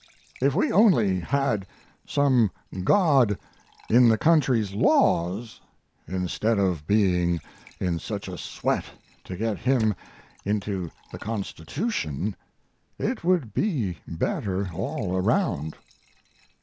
If we only had some God in the country's laws, instead of being in such a sweat to get Him into the Constitution, it would be better all around.